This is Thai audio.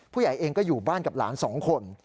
ผู้ใหญ่เองก็อยู่บ้านกับหลาน๒คน